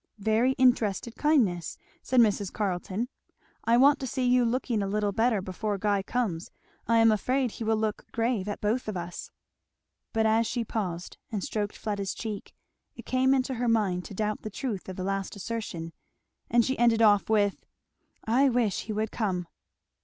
"Very interested kindness," said Mrs. Carleton. "I want to see you looking a little better before Guy comes I am afraid he will look grave at both of us." But as she paused and stroked Fleda's cheek it came into her mind to doubt the truth of the last assertion, and she ended off with, "I wish he would come!